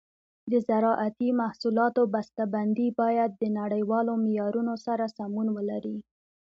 د زراعتي محصولاتو بسته بندي باید د نړیوالو معیارونو سره سمون ولري.